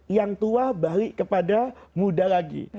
yang tua balik kepada muda lagi